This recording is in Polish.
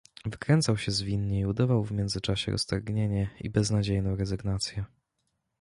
"Wykręcał się zwinnie i udawał w międzyczasie roztargnienie i beznadziejną rezygnację."